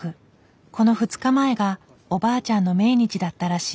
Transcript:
この２日前がおばあちゃんの命日だったらしい。